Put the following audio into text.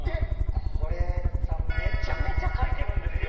これ伊達さんめちゃめちゃ書いてるんですよ。